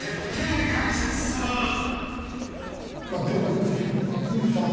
まあ今日は井口さん。